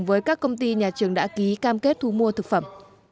với các công ty nhà trường đã ký cam kết thu mua thực phẩm